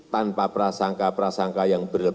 tanpa prasangka prasangka yang